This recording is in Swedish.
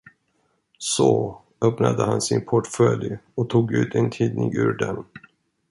Så öppnade han sin portfölj och tog ut en tidning ur den.